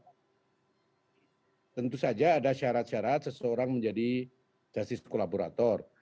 tentu saja ada syarat syarat seseorang menjadi justice collaborator